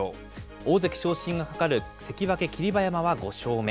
大関昇進がかかる関脇・霧馬山は５勝目。